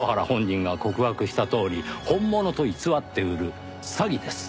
埜原本人が告白したとおり本物と偽って売る詐欺です。